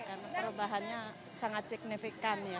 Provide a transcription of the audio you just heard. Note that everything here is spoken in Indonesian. karena perubahannya sangat signifikan ya